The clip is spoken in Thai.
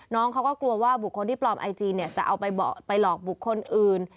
น้องเขาก็กลัวว่าบุคคลที่ปลอมไอจีเนี่ยจะเอาไปหลอกบุคคลอื่น